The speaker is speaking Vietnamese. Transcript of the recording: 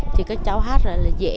thì các cháu hát ra là dễ